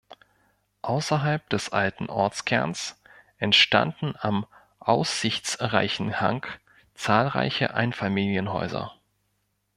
Außerhalb des alten Ortskerns entstanden am aussichtsreichen Hang zahlreiche Einfamilienhäuser.